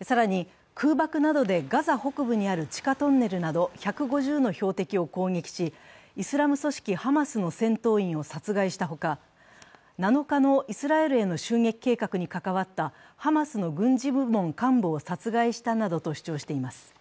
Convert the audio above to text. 更に、空爆などでガザ北部にある地下トンネルなど１５０の標的を攻撃し、イスラム組織ハマスの戦闘員を殺害した他７日のイスラエルへの襲撃計画に加わったハマスの軍事部門幹部を殺害したなどと主張しています。